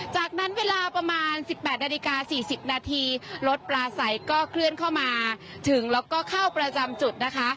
จากนั้นเวลาประมาณ๑๘นาฬิกา๔๐นาทีรถปลาใสก็เคลื่อนเข้ามาถึงแล้วก็เข้าประจำจุดนะคะ